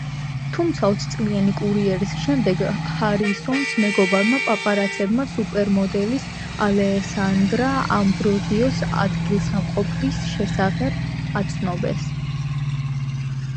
თუმცა ოცწლიანი კარიერის შემდეგ ჰარისონს მეგობარმა პაპარაცებმა სუპერმოდელის- ალესანდრა ამბროზიოს ადგილსამყოფელის შესახებ აცნობეს.